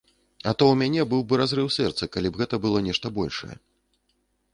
А то ў мяне быў бы разрыў сэрца, калі б гэта было нешта большае.